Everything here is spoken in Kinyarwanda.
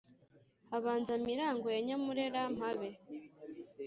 Habanza Miragwe ya Nyamurera-mpabe